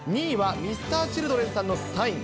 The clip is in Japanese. ２位はＭｒ．Ｃｈｉｌｄｒｅｎさんのサイン。